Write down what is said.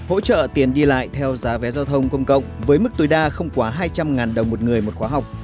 hỗ trợ tiền đi lại theo giá vé giao thông công cộng với mức tối đa không quá hai trăm linh đồng một người một khóa học